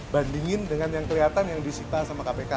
bandingin dengan yang kelihatan yang disita sama kpk